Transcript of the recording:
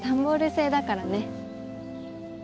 製だからね。